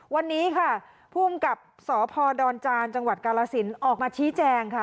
วันนี้ค่ะภูมิกับสพดอนจานจังหวัดกาลสินออกมาชี้แจงค่ะ